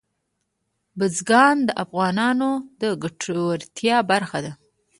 بزګان د افغانانو د ګټورتیا برخه ده.